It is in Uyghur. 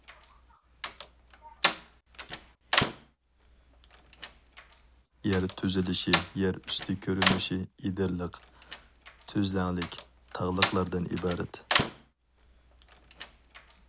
يەر تۈزىلىشى يەر ئۈستى كۆرۈنۈشى ئېدىرلىق، تۈزلەڭلىك، تاغلىقلاردىن ئىبارەت.